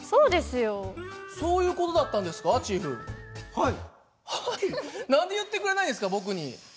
はい。